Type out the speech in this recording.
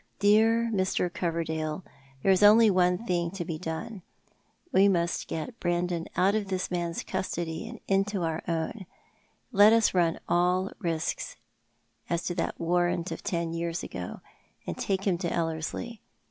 Dear Mr. Coverdale, there is only one thing to be done. We must get Brandon out of this man's custody and into our own. Let us run all risks as to that warrant of ten years ago, and take him to Ellerslie.